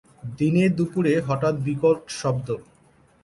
দিনে-দুপুরে হঠাৎ বিকট শব্দ।